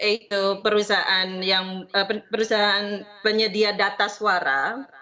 itu perusahaan penyedia data suara